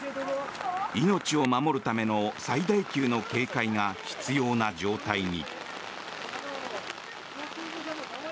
命を守るための最大級の警戒が必要な状態に。